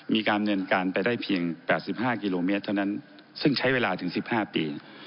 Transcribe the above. มีการดำเนินการไปได้เพียง๘๕กิโลเมตรเท่านั้นซึ่งใช้เวลาถึง๑๕ปี